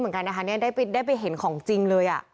เห็นแห่งของจริงเลยอะ